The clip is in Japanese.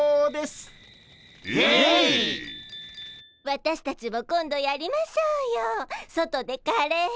私たちも今度やりましょうよ外でカレー。